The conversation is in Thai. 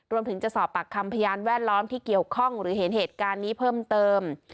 รวมถึงจะสอบปากคำพยานแวดล้อมที่เกี่ยวข้องหรือเห็นเหตุการณ์นี้เพิ่มเติม